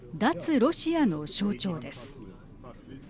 ロシアの象徴です。